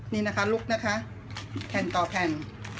นี่นะคะลุกนะคะแผ่นต่อแผ่น